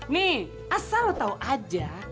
nih asal lu tau aja